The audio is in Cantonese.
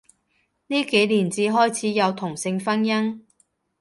呢幾年至開始有同性婚姻